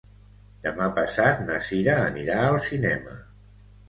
Demà passat na Cira anirà al cinema.